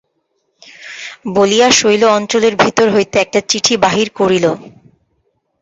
বলিয়া শৈল অঞ্চলের ভিতর হইতে একটা চিঠি বাহির করিল।